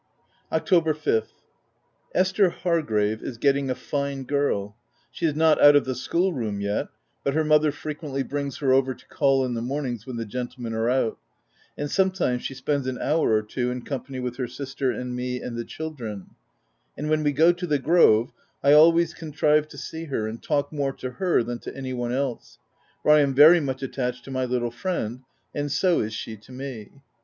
October 5th. — Esther Hargrave is getting [a fine girl. She is not out of the school room yet, but her mother frequently brings her over to call in the mornings when the gentlemen are out, and sometimes she spends an hour or two in company with her sister, and me, and the children ; and when we go to the Grove, I always contrive to see her, and talk more to her than to any one else, for I am very much attached to my little friend, and so is she to me.